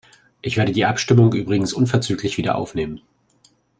Ich werde die Abstimmung übrigens unverzüglich wieder aufnehmen.